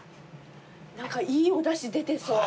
何かいいおだし出てそう。